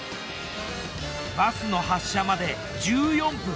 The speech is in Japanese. バスの発車まで１４分。